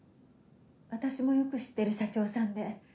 ・私もよく知ってる社長さんで。